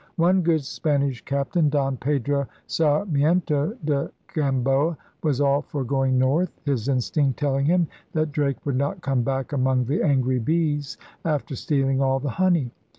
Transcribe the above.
One good Spanish captain, Don Pedro Sarmiento de Gamboa, was all for going north, his instinct telling him that Drake would not come back among the angry bees after stealing all the honey.